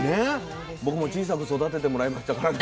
僕も小さく育ててもらいましたからね。